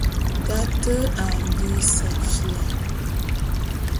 Tate a lí safía.